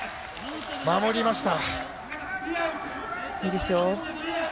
守りました。